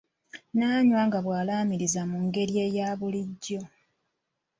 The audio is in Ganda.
N'anywa nga bw'alaamiriza mu ngeri ye eya bulijjo.